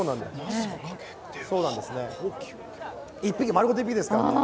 丸ごと１匹ですからね。